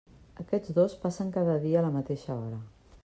Aquests dos passen cada dia a la mateixa hora.